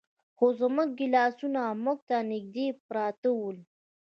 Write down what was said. خو زموږ ګیلاسونه موږ ته نږدې پراته ول.